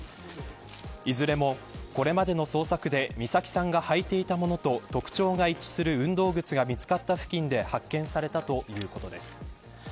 いずれも、これまでの捜索で美咲さんが履いていたものと特徴が一致する運動靴が見つかった付近で発見されたということです。